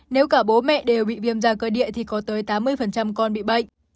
nếu cả bố mẹ đều bị viêm da cơ địa thì có tới tám mươi con bị bệnh